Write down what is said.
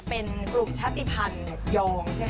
เป็นกลุ่มชาติภัณฑ์โยงใช่ไหม